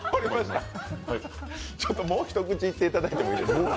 ちょっともう一口いってもらってもいいですか。